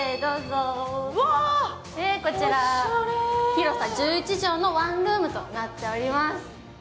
こちら広さ１１畳のワンルームとなっております。